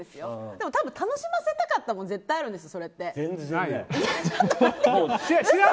でも多分楽しませたかったのも絶対あるんですよ。